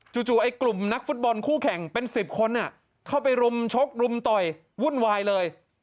ไอ้กลุ่มนักฟุตบอลคู่แข่งเป็น๑๐คนเข้าไปรุมชกรุมต่อยวุ่นวายเลย